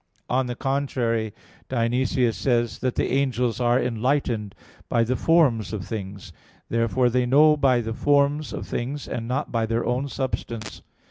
On the contrary, Dionysius says (Div. Nom. iv) that "the angels are enlightened by the forms of things." Therefore they know by the forms of things, and not by their own substance.